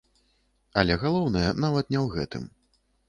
Але галоўнае нават не ў гэтым.